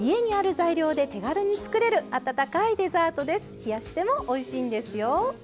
冷やしてもおいしいんですよ。